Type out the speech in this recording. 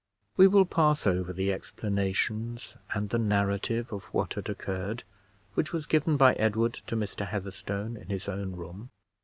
We will pass over the explanations and the narrative of what had occurred, which was given by Edward to Mr. Heatherstone in his own room.